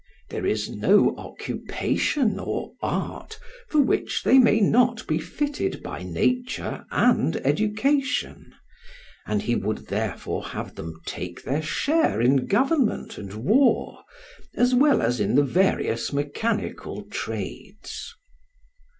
There is no occupation or art for which they may not be fitted by nature and education; and he would therefore have them take their share in government and war, as well as in the various mechanical trades."